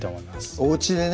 おうちでね